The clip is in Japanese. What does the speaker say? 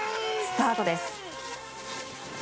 スタートです。